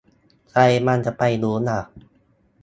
ใครมันจะไปรู้ละ